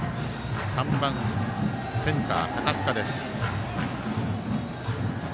３番、センター、高塚。